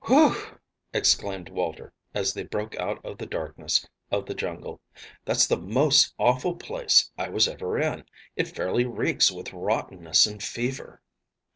"Whew!" exclaimed Walter, as they broke out of the darkness of the jungle, "that's the most awful place I was ever in. It fairly reeks with rottenness and fever."